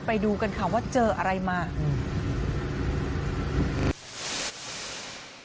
ไปดูกันค่ะว่าเจออะไรมาอืม